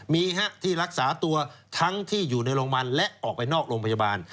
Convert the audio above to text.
มีที่รักษาตัวทั้งที่อยู่ในโรงพยาบาลและออกไปนอกโรงพยาบาล